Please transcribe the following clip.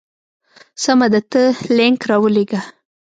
سمه ده ته لینک راولېږه.